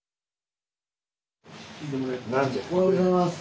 おはようございます。